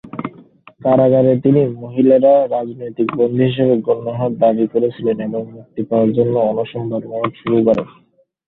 কারাগারে তিনি মহিলারা রাজনৈতিক বন্দী হিসাবে গণ্য হওয়ার দাবি করেছিলেন এবং মুক্তি পাওয়ার জন্য অনশন ধর্মঘট শুরু করেন।